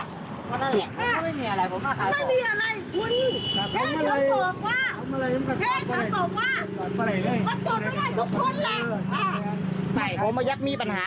ถามหน่อยเห็นถ้าคนไม่อยากมีปัญหา